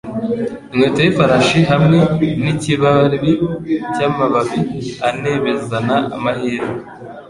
Inkweto y'ifarashi hamwe n'ikibabi cy'amababi ane bizana amahirwe.